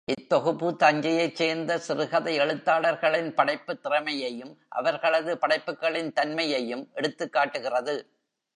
இத்தொகுப்பு தஞ்சையைச் சேர்ந்த சிறுகதை எழுத்தாளர்களின் படைப்புத் திறமையையும், அவர்களது படைப்புக்களின் தன்மையையும் எடுத்துக்காட்டுகிறது.